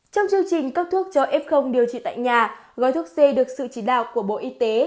trong chương trình cấp thuốc cho f điều trị tại nhà gói thuốc c được sự chỉ đạo của bộ y tế